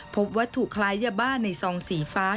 พบวัตถุคล้ายยาบ้าในซองสีฟ้า